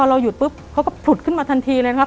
เราหยุดปุ๊บเขาก็ผุดขึ้นมาทันทีเลยนะครับ